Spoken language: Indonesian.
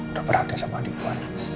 udah berhati hati sama adik gue